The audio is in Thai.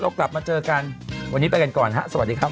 กลับมาเจอกันวันนี้ไปกันก่อนฮะสวัสดีครับ